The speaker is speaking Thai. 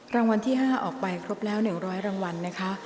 รางวัลที่ห้าออกไปครบแล้วหนึ่งร้อยรางวัลนะคะ